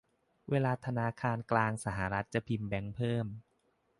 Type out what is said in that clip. เวลาธนาคารกลางสหรัฐจะพิมพ์แบงก์เพิ่ม